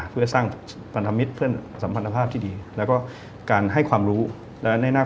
ให้ลงตกกลางครับ